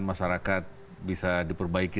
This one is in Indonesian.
masyarakat bisa diperbaiki